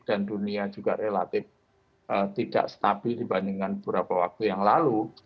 dan dunia juga relatif tidak stabil dibandingkan beberapa waktu yang lalu